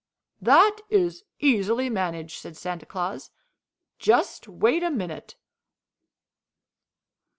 "That is easily managed," said Santa Claus. "Just wait a minute."